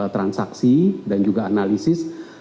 transaksi dan juga analisis